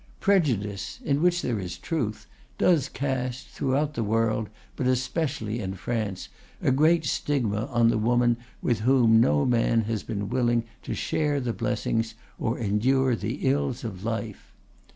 Prejudice, in which there is truth, does cast, throughout the world but especially in France, a great stigma on the woman with whom no man has been willing to share the blessings or endure the ills of life.